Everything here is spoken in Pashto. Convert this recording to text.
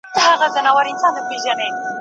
نن مستي کوه زاهده چي سبا نوبت پردی دی